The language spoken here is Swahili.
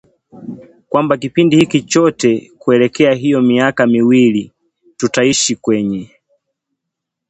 Kwamba kipindi hiki chote kuelekea hiyo miaka miwili tutaishi kwenye